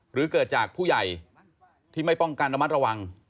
หรือเกิดจากผู้ใหญ่ที่ไม่ป้องกันระมัดระวัง